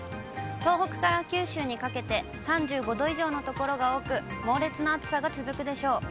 東北から九州にかけて３５度以上の所が多く、猛烈な暑さが続くでしょう。